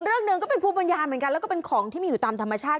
เรื่องเดิมก็เป็นภูมจรรยามันกันแล้วก็เป็นของที่มีอยู่ตามธรรมชาติ